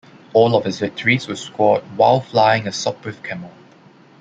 All of his victories were scored while flying a Sopwith Camel.